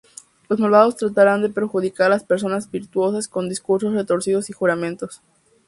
Los malvados tratarán de perjudicar a las personas virtuosas con discursos retorcidos y juramentos.